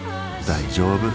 大丈夫。